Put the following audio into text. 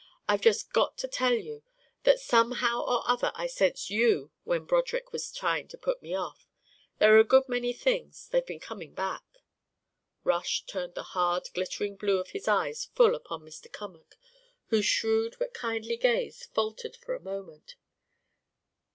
I've just got to tell you that somehow or other I sensed you when Broderick was trying to put me off. There are a good many things; they've been comin' back " Rush turned the hard glittering blue of his eyes full upon Mr. Cummack, whose shrewd but kindly gaze faltered for a moment.